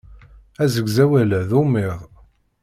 Asegzawal-a d ummid.